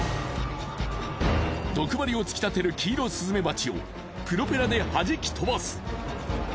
毒針を突き立てるキイロスズメバチをプロペラで弾き飛ばす。